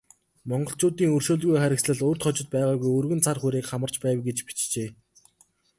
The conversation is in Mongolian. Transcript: Монголчуудын өршөөлгүй харгислал урьд хожид байгаагүй өргөн цар хүрээг хамарч байв гэж бичжээ.